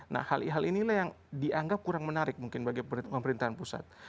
nah hal hal inilah yang dianggap kurang menarik mungkin bagi pemerintahan pusat